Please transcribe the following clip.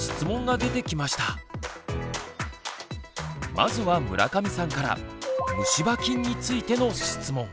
まずは村上さんからむし歯菌についての質問。